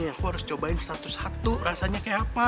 ya aku harus cobain satu satu rasanya kayak apa